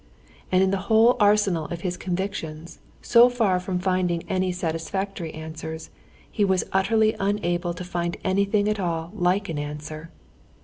And in the whole arsenal of his convictions, so far from finding any satisfactory answers, he was utterly unable to find anything at all like an answer.